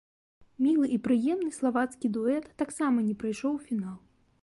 Мілы і прыемны славацкі дуэт таксама не прайшоў у фінал.